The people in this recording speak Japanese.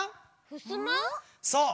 そう！